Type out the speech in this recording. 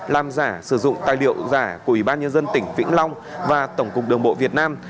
làm giả sử dụng tài liệu giả của ủy ban nhân dân tỉnh vĩnh long và tổng cục đường bộ việt nam